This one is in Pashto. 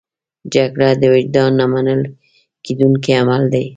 جګړه د وجدان نه منل کېدونکی عمل دی